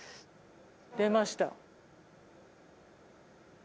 出ました。